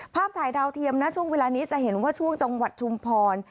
ภาพถ่ายดาวเทียมนะช่วงเวลานี้จะเห็นว่าช่วงจังหวัดชุมพร